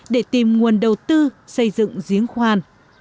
để tìm nguồn đầu tư xây dựng giếng khoan